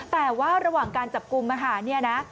แต่ว่าระหว่างการจับกลุ่มอาหารเนี่ยนะ